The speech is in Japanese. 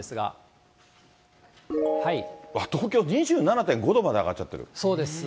東京２７．５度まで上がっちそうです。